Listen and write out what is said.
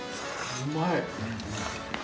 うまい。